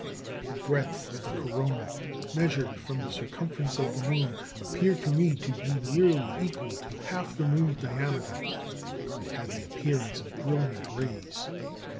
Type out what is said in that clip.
The breadth of the corona, measured from the circumference of the moon, appeared to me to be nearly equal to half the moon's diameter. It had the appearance of brilliant rays.